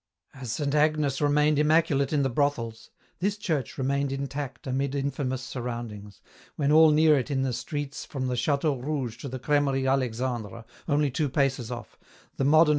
As Saint Agnes remained immaculate in the brothels, this church remained intact amid infamous surroundings, when all near it in the streets from the Chiteau Rouge to the Cremerie Alexandre, only two paces off, the modern EN ROUTE.